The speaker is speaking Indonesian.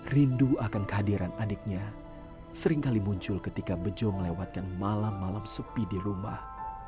rindu akan kehadiran adiknya seringkali muncul ketika bejo melewatkan malam malam sepi di rumah